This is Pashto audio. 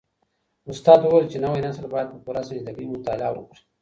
استاد وويل چي نوی نسل بايد په پوره سنجيدګۍ مطالعه وکړي.